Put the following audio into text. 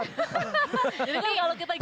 saya bakal keluar